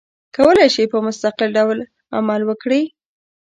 کولای شي په مستقل ډول عمل وکړي.